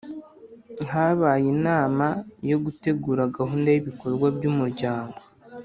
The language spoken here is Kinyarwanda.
Habaye inama yo gutegura gahunda y’ibikorwa by’umuryango